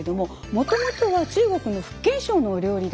もともとは中国の福建省のお料理だったんですね。